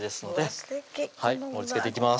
すてき盛りつけていきます